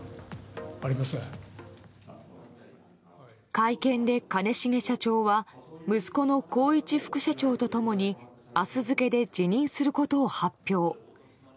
会見で兼重社長は息子の宏一副社長と共に明日付で辞任することを発表。